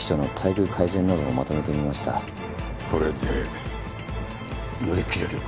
これで乗り切れるか？